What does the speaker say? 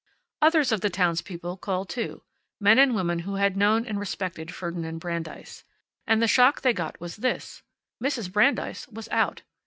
Others of the townspeople called, too; men and women who had known and respected Ferdinand Brandeis. And the shock they got was this: Mrs. Brandeis was out.